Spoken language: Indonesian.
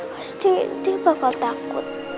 pasti dia bakal takut